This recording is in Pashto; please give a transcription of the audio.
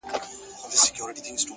هره لاسته راوړنه له هڅې راټوکېږي!